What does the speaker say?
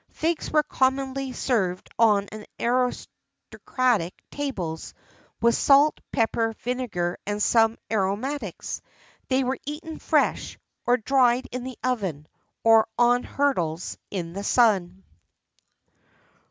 Figs were commonly served on aristocratic tables with salt, pepper, vinegar, and some aromatics; they were eaten fresh, or dried in the oven, or on hurdles in the sun.